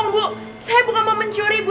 enggak bohong bu saya bukan mau mencuri bu